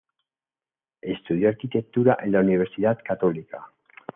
Estudió arquitectura en la Universidad Católica.